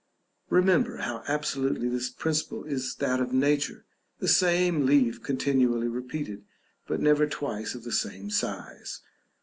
Remember how absolutely this principle is that of nature; the same leaf continually repeated, but never twice of the same size.